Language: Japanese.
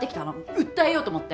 訴えようと思って。